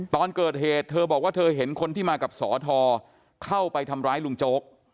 ตอนเกิดเหตุเธอบอกว่าเธอเห็นคนที่มากับสอทอเข้าไปทำร้ายลุงโจ๊ก